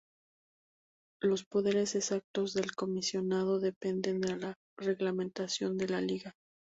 Los poderes exactos del comisionado dependen de la reglamentación de la liga.